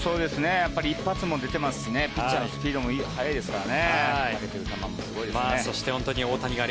一発も出ていますしピッチャーのスピードも速いですからね。